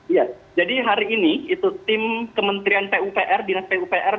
ya jadi hari ini itu tim kementerian pupr dinas pupr